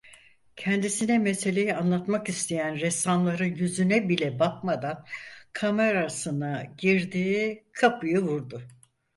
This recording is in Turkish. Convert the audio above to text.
Kendisine meseleyi anlatmak isteyen ressamların yüzüne bile bakmadan kamarasına girdi, kapıyı vurdu.